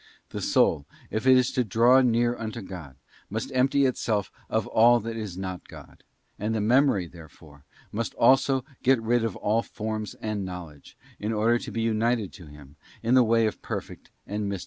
The soul, if it is to draw near unto God, must empty itself of all that is not God ; and the memory, therefore, must also get rid of all forms and knowledge, in order to be united to Him in the way of perfect and mystical Hope.